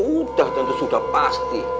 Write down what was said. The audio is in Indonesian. sudah tentu sudah pasti